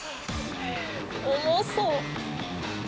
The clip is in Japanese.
重そう。